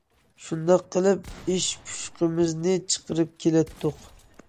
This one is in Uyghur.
شۇنداق قىلىپ ئىچ پۇشۇقىمىزنى چىقىرىپ كېلەتتۇق.